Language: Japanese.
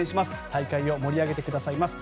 大会を盛り上げてくださいます。